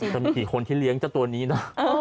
จะมีกี่คนที่เลี้ยงเจ้าตัวนี้นะ